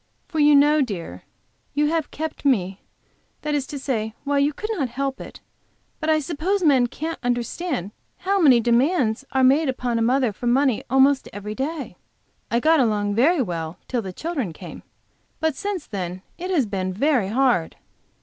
For you know, dear, you have kept me that is to say you could not help it, but I suppose men can't understand how many demands are made upon a mother for money almost every day. I got along very well till the children came, but since then it has been very hard."